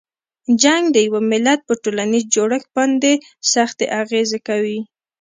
جنګ د یوه ملت په ټولنیز جوړښت باندې سختې اغیزې کوي.